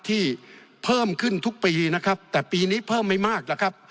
ที่เพิ่มขึ้นทุกปีนะครับแต่ปีนี้เพิ่มไม่มากนะครับ